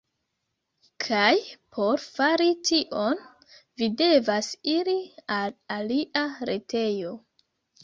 Kaj por fari tion, vi devas iri al alia retejo.